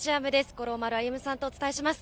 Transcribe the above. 五郎丸歩さんとお伝えします。